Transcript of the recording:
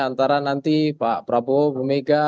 antara nanti pak prabowo bu mega